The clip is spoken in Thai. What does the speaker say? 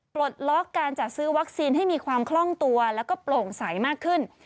ปลดล็อกการจัดซื้อวัคซีนให้มีความคล่องตัวแล้วก็โปร่งใสมากขึ้น